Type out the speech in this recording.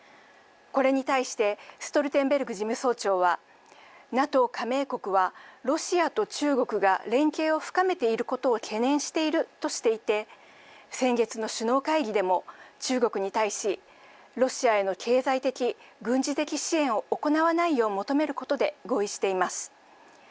これに対して、ストルテンベルグ事務総長は、ＮＡＴＯ加盟国は、ロシアと中国が連携を深めていることを懸念しているとしていて、先月の首脳会議でも、中国に対し、ロシアへの経済的、軍事的支援を行わないよう求めることで合意しています。